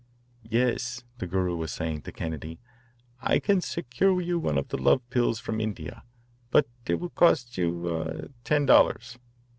"Yes," the Guru was saying to Kennedy, "I can secure you one of the love pills from India, but it will cost you er ten dollars."